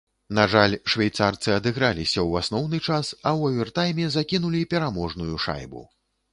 На жаль, швейцарцы адыграліся ў асноўны час, а ў авертайме закінулі пераможную шайбу.